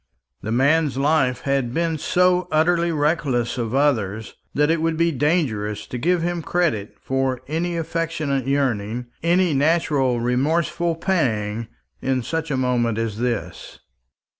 The man's life had been so utterly reckless of others, that it would be dangerous to give him credit for any affectionate yearning any natural remorseful pang in such a moment as this.